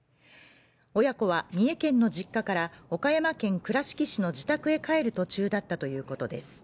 親子は三重県の実家から岡山県倉敷市の自宅へ帰る途中だったということです